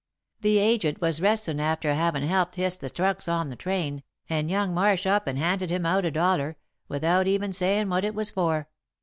The agent was restin' after havin' helped hist the trunks on the train, and young Marsh up and handed him out a dollar, without even sayin' what it was for.